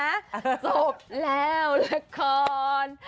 จบแล้วละคร